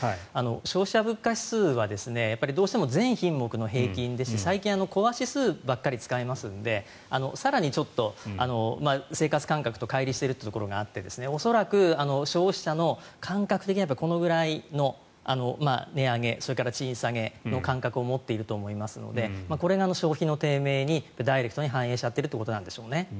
消費者物価指数はどうしても全品目の平均ですし最近はコア指数ばかり使いますので更にちょっと生活感覚とかい離しているところがあって恐らく、消費者の感覚的にはこのぐらいの値上げそれから賃下げの感覚を持っていると思いますのでこれが消費の低迷にダイレクトに反映しちゃってるということなんですね。